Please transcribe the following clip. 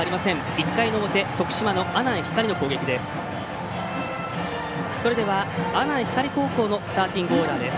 １回の表徳島の阿南光の攻撃です。